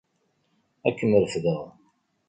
Ad kem-refdeɣ.